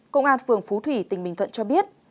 công an phường phú thủy tỉnh bình thuận cho biết